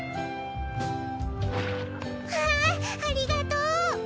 わぁありがとう！